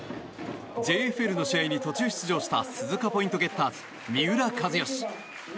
ＪＦＬの試合に途中出場した鈴鹿ポイントゲッターズ三浦知良。